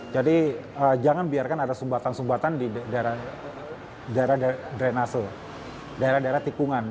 jadi jangan biarkan ada sumbatan sumbatan di daerah daerah drenase daerah daerah tikungan